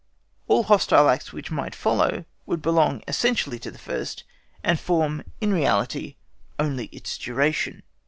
All hostile acts which might follow would belong essentially to the first, and form, in reality only its duration.